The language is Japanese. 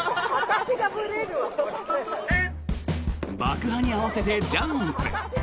爆破に合わせてジャンプ。